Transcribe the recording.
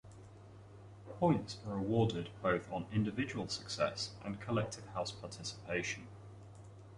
Points are awarded both on individual success and collective house participation.